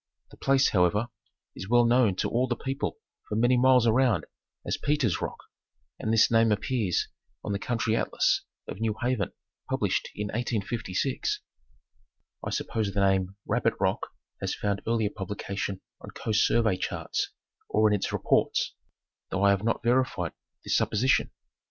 The place, however, is well known to all the people for many miles around as Peter's Rock, and this name appears on the county atlas of New Haven, published in 1856. I suppose the name Rabbit Rock has found earlier publication on Coast Survey charts or in its reports, 'though I have not verified this supposition.